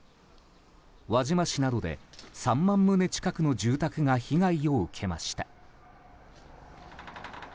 輪島市などで３万棟近くの住宅が被害を受けました。